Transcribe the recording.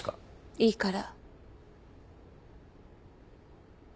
いいから。